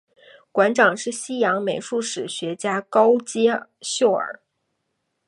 馆长是西洋美术史学家高阶秀尔。